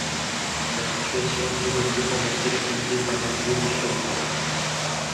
La situation pourrait cependant s'expliquer par un biais du survivant.